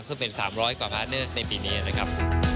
เพื่อเป็น๓๐๐กว่าการเลือกในปีนี้นะครับ